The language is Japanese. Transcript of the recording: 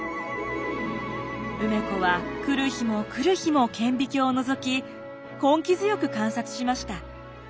梅子は来る日も来る日も顕微鏡をのぞき根気強く観察しました。